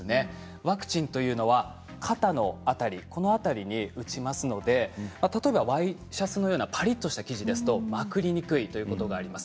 ワクチンというのは肩の辺りに打ちますので例えばワイシャツのようなパリっとした生地ですとまくりにくいということがあります。